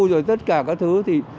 rồi tất cả các thứ thì